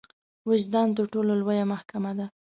وجدان تر ټولو لويه محکمه ده.